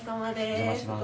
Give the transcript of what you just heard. お邪魔します。